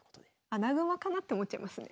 穴熊かなって思っちゃいますね。